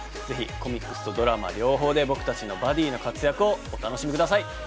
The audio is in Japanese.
ぜひコミックスとドラマ両方で僕たちのバディな活躍をお楽しみください。